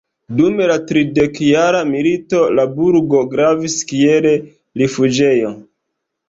Dum la Tridekjara milito la burgo gravis kiel rifuĝejo.